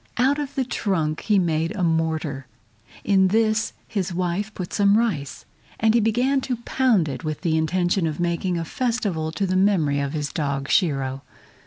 Out of the trunk he made a mortar. In this his wife put some rice, and he began to pound it with the intention of making a festival to the memory of his dog Shiro.